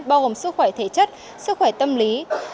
bao gồm sức khỏe thể chất sức khỏe tâm lý